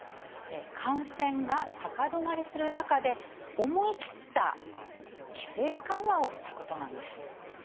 感染が高止まりする中で、思い切った規制緩和をしたことなんです。